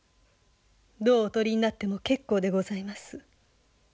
どうお取りになっても結構でございます。